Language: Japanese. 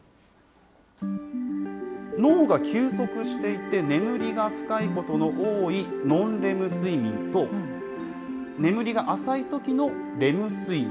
脳が休息していて眠りが深いことの多いノンレム睡眠と、眠りが浅いときのレム睡眠。